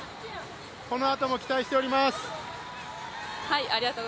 このあとも期待しております！